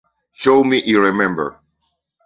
Show me, I remember.